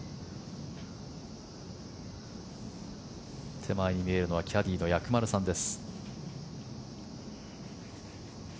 手前に見えるのはキャディーの薬丸さんです。